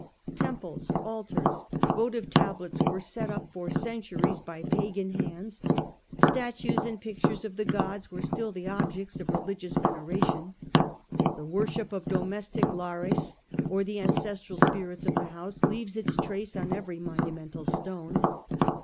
Temples, altars, votive tablets were set up for centuries by pagan hands ,* statues and pictures of the gods were still the objects of religious veneration; the worship of domestic lares or the ancestral spirits of the house leaves its trace on every monumental stone.